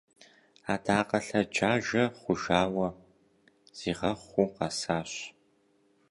Адакъэ лъэджажэ хъужауэ, зигъэхъуу къэсащ!